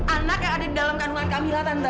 anak yang ada di dalam kandungan kak mila tante